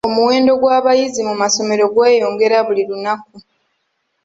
Omuwendo gw'abayizi mu masomero gweyongera buli lunaku.